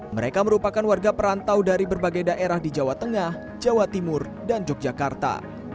mereka merupakan warga perantau dari berbagai daerah di jawa tengah jawa timur dan yogyakarta